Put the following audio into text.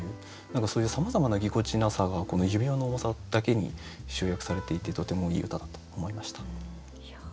何かそういうさまざまなぎこちなさがこの指輪の重さだけに集約されていてとてもいい歌だと思いました。